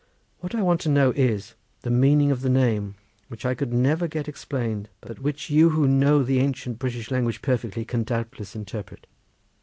What I want to know is, the meaning of the name, which I could never get explained, but which you who know the ancient British language perfectly can doubtless interpret."